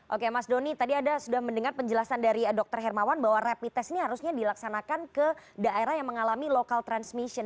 oke mas doni tadi ada sudah mendengar penjelasan dari dr hermawan bahwa rapid test ini harusnya dilaksanakan ke daerah yang mengalami local transmission